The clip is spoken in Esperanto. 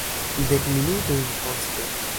Dek minutojn poste.